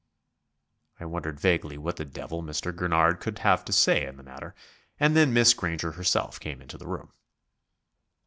I wondered vaguely what the devil Mr. Gurnard could have to say in the matter, and then Miss Granger herself came into the room.